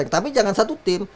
tapi jangan satu tim